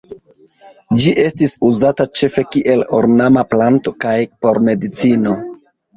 Ĝi estis uzata ĉefe kiel ornama planto kaj por medicino.